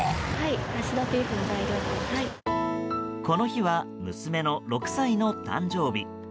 この日は、娘の６歳の誕生日。